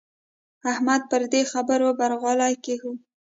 احمده پر دې خبره برغولی کېږده.